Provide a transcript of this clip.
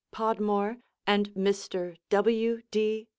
Podmore and Mr. W. D.